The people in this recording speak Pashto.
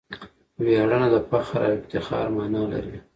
ویاړنه د فخر او افتخار مانا لري.